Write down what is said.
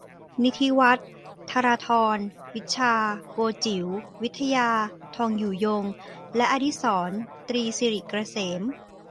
นิธิวัฒน์ ธราธร วิชชา โกจิ๋ว วิทยา ทองอยู่ยง และ อดิสรณ์ ตรีสิริเกษม